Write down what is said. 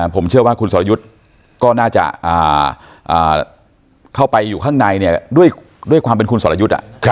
ผมเชื่อว่าคุณสรยุทธ์ก็น่าจะเข้าไปอยู่ข้างในเนี่ยด้วยความเป็นคุณสรยุทธ์